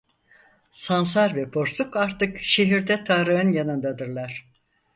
Sansar ve Porsuk artık şehirde Tarık'ın yanındadırlar…